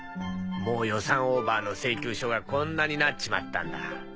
もう予算オーバーの請求書がこんなになっちまったんだ。